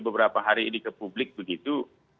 beberapa hari ini ke publik begitu